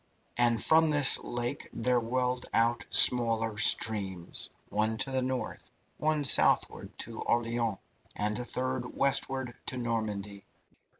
And from this lake there welled out smaller streams one to the north, one southward, to Orleans, and a third westward to Normandy.